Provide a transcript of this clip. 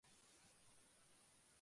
Indumentaria y publicidad por período